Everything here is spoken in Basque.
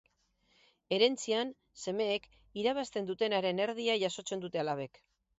Herentzian, semeek irabazten dutenaren erdia jasotzen dute alabek.